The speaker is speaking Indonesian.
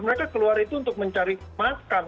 mereka keluar itu untuk mencari makan